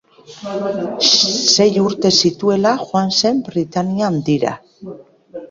Sei urte zituela joan zen Britainia Handira.